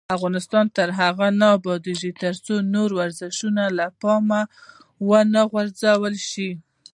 افغانستان تر هغو نه ابادیږي، ترڅو نور ورزشونه له پامه ونه غورځول شي.